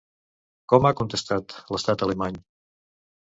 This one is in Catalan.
Com ha contestat l'estat alemany?